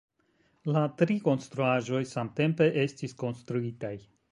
La tri konstruaĵoj samtempe estis konstruitaj.